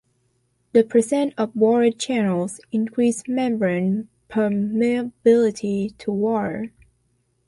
The presence of water channels increases membrane permeability to water.